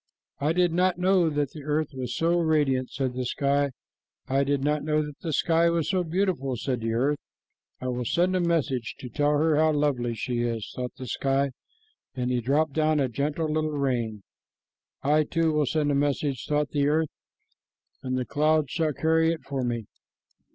"I did not know that the earth was so radiant," said the sky. "I did not know that the sky was so beautiful," said the earth. "I will send a message to tell her how lovely she is," thought the sky, and he dropped down a gentle little rain. "I, too, will send a message," thought the earth, "and the clouds shall carry it for me."